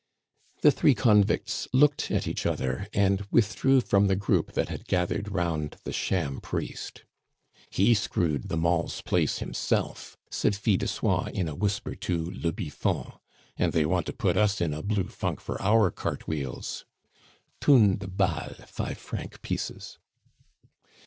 The three convicts looked at each other and withdrew from the group that had gathered round the sham priest. "He screwed the moll's place himself!" said Fil de Soie in a whisper to le Biffon, "and they want to put us in a blue funk for our cartwheels" (thunes de balles, five franc pieces).